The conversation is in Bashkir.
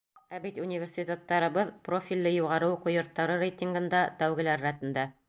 Ә бит университеттарыбыҙ — профилле юғары уҡыу йорттары рейтингында тәүгеләр рәтендә.